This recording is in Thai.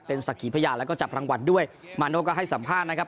สักขีพยานแล้วก็จับรางวัลด้วยมาโน่ก็ให้สัมภาษณ์นะครับ